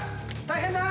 大変だ！